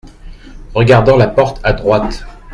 Regardant la porte à droite.